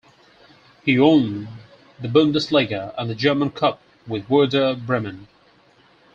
He won the Bundesliga and the German Cup with Werder Bremen.